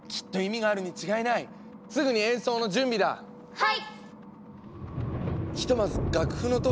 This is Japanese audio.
はい！